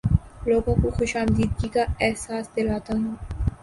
لوگوں کو خوش آمدیدگی کا احساس دلاتا ہوں